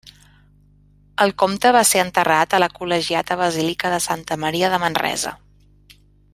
El comte a ser enterrat a la Col·legiata Basílica de Santa Maria de Manresa.